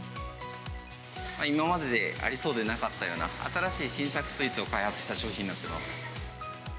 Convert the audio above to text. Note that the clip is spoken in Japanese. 今まででありそうでなかったような、新しい新作スイーツを開発した商品になっています。